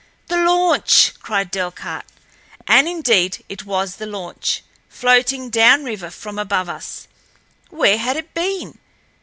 "The launch!" cried Delcarte; and, indeed, it was the launch, floating down river from above us. Where had it been?